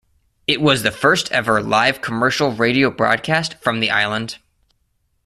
It was the first ever live commercial radio broadcast from the island.